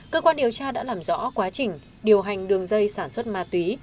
cơ quan điều tra đã làm rõ quá trình điều hành đường dây sản xuất ma túy